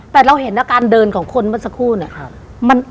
แต่เราเห็นอาการเดินของคนเมื่อสักครู่เนี่ย